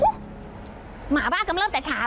หู้หมาบ้ากันมาเริ่มแต่เช้า